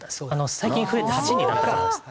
最近増えて８になったんです。